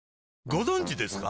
ご存知ですか？